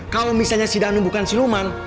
kalau misalnya si danung bukan siluman